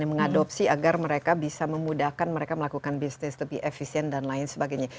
mengadopsi agar mereka bisa memudahkan mereka melakukan bisnis lebih efisien dan lain sebagainya